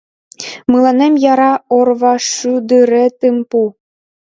— Мыланем яра орвашӱдыретым пу.